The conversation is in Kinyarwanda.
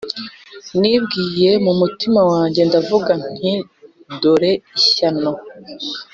Nibwiye mu mutima wanjye ndavuga nti Dore ishyano